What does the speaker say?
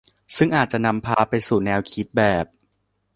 ซึ่งอาจจะนำพาไปสู่แนวคิดแบบ